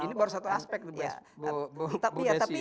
ini baru satu aspek bu desi ya